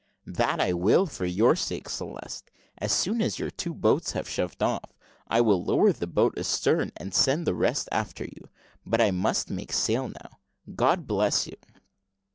"That I will, for your sake, Celeste. As soon as your two boats have shoved off, I will lower down the boat astern, and send the rest after you; but I must make sail now God bless you!"